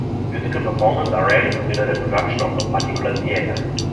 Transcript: Musical performances are rarely considered a production of a particular theater.